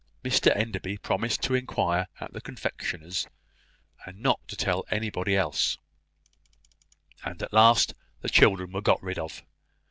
Mr Enderby promised to inquire at the confectioner's, and not to tell anybody else; and at last the children were got rid of.